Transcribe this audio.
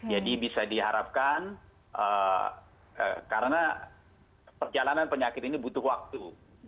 bisa diharapkan karena perjalanan penyakit ini butuh waktu